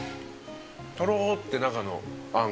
とろって中のあんが。